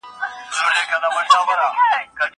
دا وخت له هغه ښه دی؟!